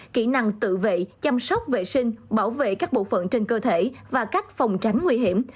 kỹ năng tự vệ chăm sóc vệ sinh bảo vệ các bộ phận trên cơ thể và cách phòng tránh nguy hiểm